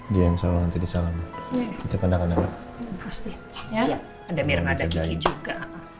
juga ya ada ada juga